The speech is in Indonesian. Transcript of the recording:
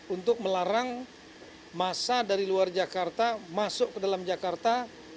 untuk melarang masa dari luar jakarta masuk ke dalam jakarta